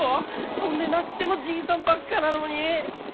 そんでなくてもじいさんばっかなのに！